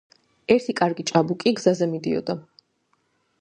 ერთი კარგი ჭაბუკი გზაზე მიდოდა.